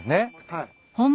はい。